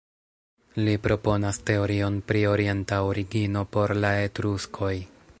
Li proponas teorion pri orienta origino por la Etruskoj.